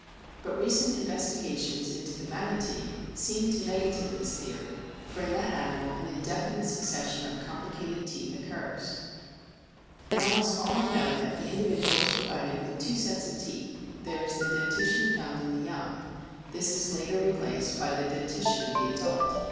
But recent investigations into the Manatee seem SOME INTERNAL STRUCTURES 75 to negative this theory, for in that animal an indefinite succession of complicated teeth occurs.* In almost all Mammalia the individual is provided with two sets of teeth ; there is the dentition found in the young ; this is later replaced by the dentition of the adult.